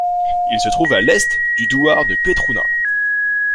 Il se trouve à l'est du douar de Betrouna.